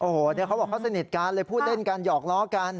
โอ้โหเขาบอกเขาสนิทกันเลยพูดเล่นกันหยอกล้อกัน